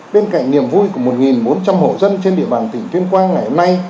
bên cạnh niềm vui của một bốn trăm linh hộ dân trên địa bàn tỉnh tuyên quang ngày hôm nay